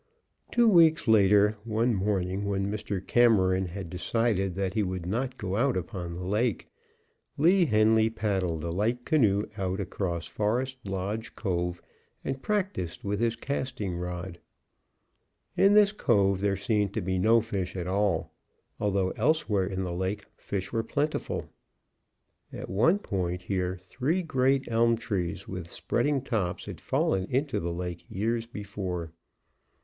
Two weeks later, one morning when Mr. Cameron had decided that he would not go out upon the lake, Lee Henly paddled a light canoe out across Forest Lodge Cove and practised with his casting rod. In this cove there seemed to be no fish at all, although elsewhere in the lake fish were plentiful. At one point here three great elm trees with spreading tops had fallen into the lake years before.